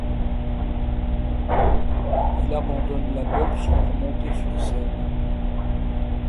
Il abandonne la boxe pour monter sur scène.